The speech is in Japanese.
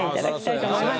あの。と思います。